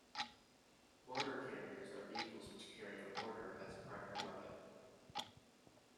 Mortar carriers are vehicles which carry a mortar as a primary weapon.